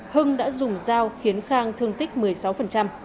hưng đã dùng dao khiến khang thương tích một mươi sáu